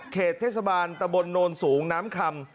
เขตเทศบรรยาตะบลนวนสูงน้ำค่ำ